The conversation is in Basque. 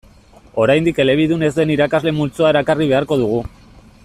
Oraindik elebidun ez den irakasle multzoa erakarri beharko dugu.